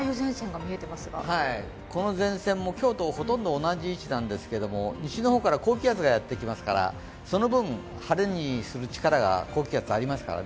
この前線も今日とほとんど同じ位置なんですが西の方から高気圧がやってきますから、その分、派手にする力が高気圧、ありますから